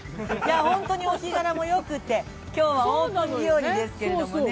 本当にお日柄もよくて、きょうはいい日和ですけれどもね。